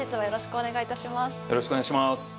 よろしくお願いします。